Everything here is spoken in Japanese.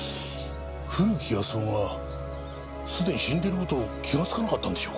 古木保男がすでに死んでいる事を気がつかなかったんでしょうか？